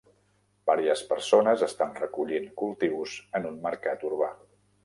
Varies persones estan recollint cultius en un mercat urbà.